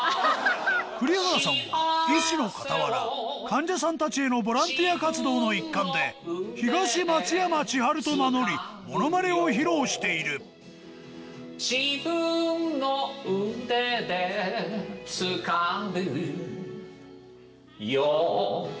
栗原さんは医師の傍ら患者さんたちへのボランティア活動の一環で東松山千春と名乗りモノマネを披露している上手いですよ。